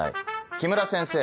木村先生